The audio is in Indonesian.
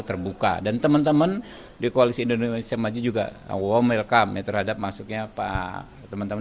terbuka dan teman teman di koalisi indonesia maju juga awam welcome ya terhadap masuknya pak teman teman